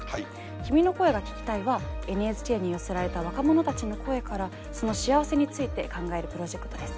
「君の声が聴きたい」はＮＨＫに寄せられた若者たちの声からその幸せについて考えるプロジェクトです。